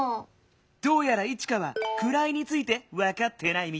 どうやらイチカは「くらい」についてわかってないみたいだね。